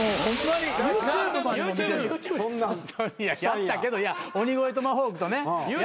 やったけど鬼越トマホークとね。